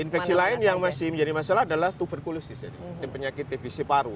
infeksi lain yang masih menjadi masalah adalah tuberkulus dan penyakit tbc paru